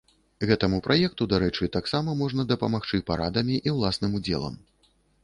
Гэтаму праекту, дарэчы, таксама можна дапамагчы парадамі і ўласным удзелам.